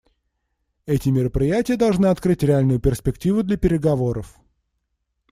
Эти мероприятия должны открыть реальную перспективу для переговоров.